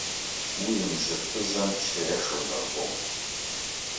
Уи еимзырпыз амч аиаша унарбом.